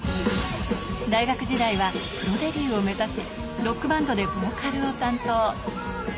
大学時代はプロデビューを目指し、ロックバンドでボーカルを担当。